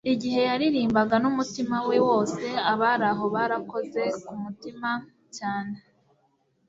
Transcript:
igihe yaririmbaga n'umutima we wose, abari aho barakoze ku mutima cyane